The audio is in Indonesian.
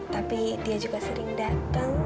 tapi dia juga sering datang